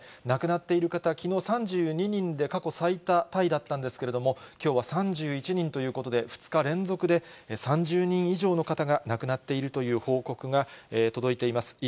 亡くなっている方、きのう３２人で、過去最多タイだったんですけれども、きょうは３１人ということで、２日連続で３０人以上の方が亡くなっているという報告が届いています。